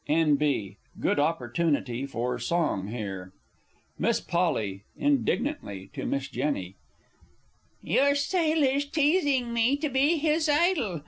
(N.B. Good opportunity for Song here.) Miss P. (indignantly to Miss J.) Your Sailor's teasing me to be his idol!